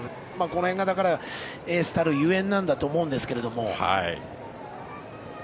この辺がエースたるゆえんなんだと思いますけども。